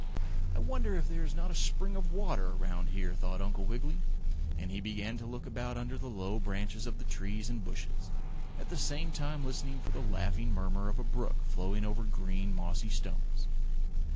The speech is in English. "I wonder if there is not a spring of water around here?" thought Uncle Wiggily, and he began to look about under the low branches of the trees and bushes, at the same time listening for the laughing murmur of a brook flowing over green, mossy stones.